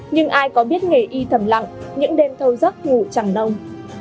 nhưng ai có biết nghề y thầm lặng những đêm thâu giấc ngủ chẳng nông